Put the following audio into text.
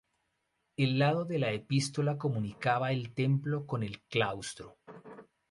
El lado de la epístola comunicaba el templo con el claustro.